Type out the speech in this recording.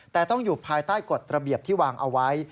แต่ต้องอยู่ภายใต้กฎระเบียบที่วางเอาไว้